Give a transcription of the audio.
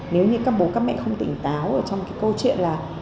nếu như các bố các mẹ không tỉnh táo ở trong cái câu chuyện là